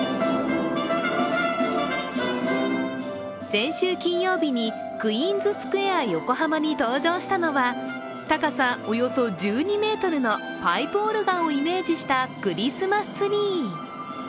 先週金曜日にクイーンズスクエア横浜に登場したのは高さおよそ１２ｍのパイプオルガンをイメージしたクリスマスツリー。